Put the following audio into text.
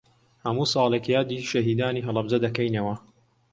هەموو ساڵێک یادی شەهیدانی هەڵەبجە دەکەینەوە.